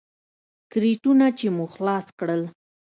کرېټونه چې مو خلاص کړل.